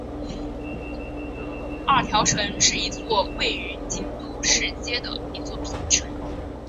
二条城是一座位于京都市街的一座平城。